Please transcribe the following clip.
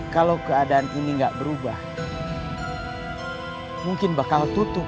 kalau keadaan ini nggak berubah mungkin bakal tutup